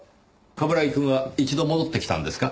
冠城くんは一度戻ってきたんですか？